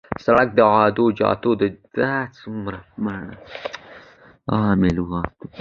سړک د عراده جاتو د تګ راتګ لپاره افقي ساختمان دی